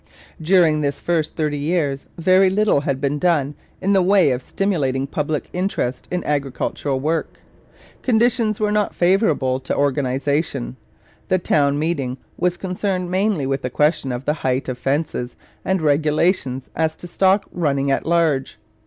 During this first thirty years very little had been done in the way of stimulating public interest in agricultural work. Conditions were not favourable to organization. The 'town meeting' was concerned mainly with the question of the height of fences and regulations as to stock running at large.